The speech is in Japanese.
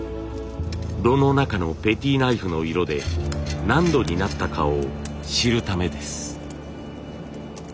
炉の中のペティナイフの色で何度になったかを知るためです。